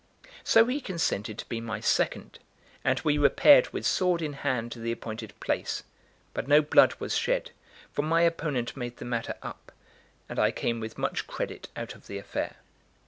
So he consented to be my second, and we repaired with sword in hand to the appointed place, but no blood was shed, for my opponent made the matter up, and I came with much credit out of the affair.